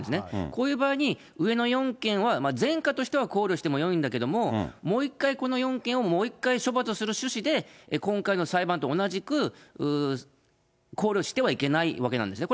こういう場合に、上の４件は前科としては考慮してもよいんだけれども、もう１回、この４件をもう一回処罰する趣旨で、今回の裁判と同じく、考慮してはいけないわけなんですね。